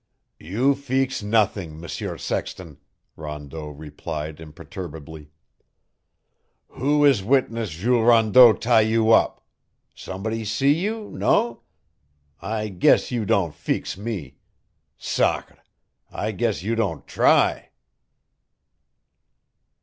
"You feex nothing, M'sieur Sexton," Rondeau replied imperturbably. "Who is witness Jules Rondeau tie you up? Somebody see you, no? I guess you don' feex me. Sacre! I guess you don' try."